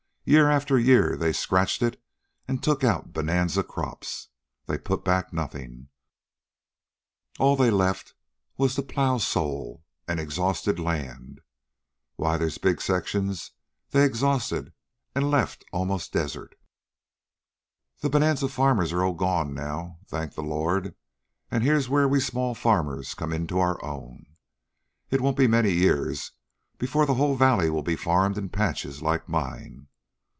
Year after year they scratched it and took out bonanza crops. They put nothing back. All they left was plow sole and exhausted land. Why, there's big sections they exhausted and left almost desert. "The bonanza farmers are all gone now, thank the Lord, and here's where we small farmers come into our own. It won't be many years before the whole valley will be farmed in patches like mine.